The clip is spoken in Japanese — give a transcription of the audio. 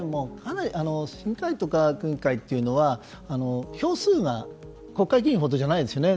市議会と各議会は、票数が国会議員ほどじゃないですよね。